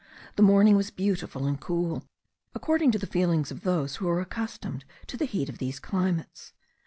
The morning was beautiful and cool, according to the feelings of those who are accustomed to the heat of these climates.